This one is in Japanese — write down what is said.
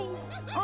あ！